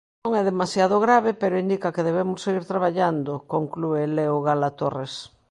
Non é demasiado grave pero indica que debemos seguir traballando, conclúe Leo Gala Torres.